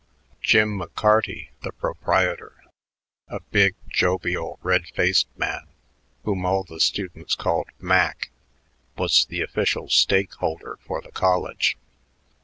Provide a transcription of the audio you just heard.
Jim McCarty, the proprietor, a big, jovial, red faced man whom all the students called Mac, was the official stake holder for the college.